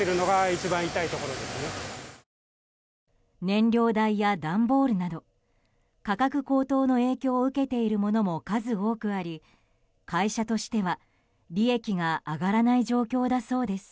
燃料代や段ボールなど価格高騰の影響を受けているものも数多くあり会社としては利益が上がらない状況だそうです。